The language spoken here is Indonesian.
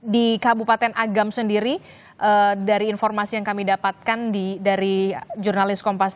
di kabupaten agam sendiri dari informasi yang kami dapatkan dari jurnalis kompas